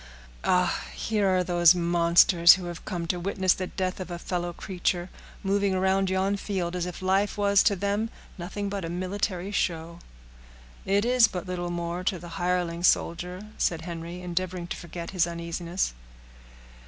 Ah! here are those monsters, who have come to witness the death of a fellow creature, moving around yon field, as if life was, to them, nothing but a military show." "It is but little more to the hireling soldier," said Henry, endeavoring to forget his uneasiness.